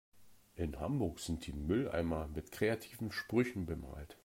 In Hamburg sind die Mülleimer mit kreativen Sprüchen bemalt.